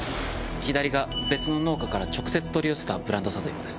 左が別の農家から直接取り寄せたブランド里芋です。